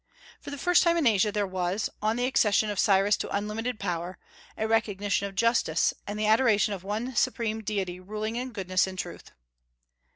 For the first time in Asia there was, on the accession of Cyrus to unlimited power, a recognition of justice, and the adoration of one supreme deity ruling in goodness and truth.